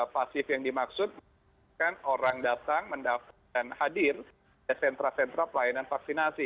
pasif yang dimaksud kan orang datang dan hadir di sentra sentra pelayanan vaksinasi